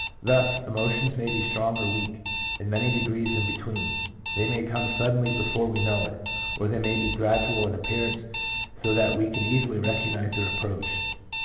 Thus, emotions may be strong or weak, and many degrees in between; they may come suddenly before we know it, or they may be gradual in appearance so that we can easily recognize their approach.